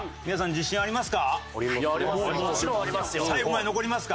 自信があります。